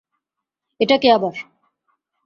এটা কে আবার?